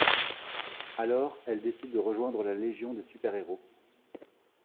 Alors elle décide de rejoindre la Légion des Super-Héros.